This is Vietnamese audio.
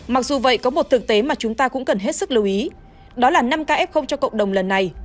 mặc dù vậy có một thực tế mà chúng ta cũng cần hết sức lưu ý đó là năm k f cho cộng đồng lần này